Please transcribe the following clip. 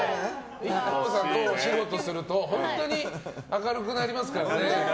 ＩＫＫＯさんとお仕事すると本当に明るくなりますからね。